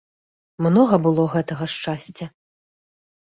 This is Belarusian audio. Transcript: Многа было гэтага шчасця.